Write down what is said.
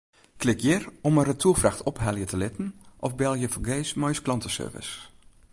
Klik hjir om in retoerfracht ophelje te litten of belje fergees ús klanteservice.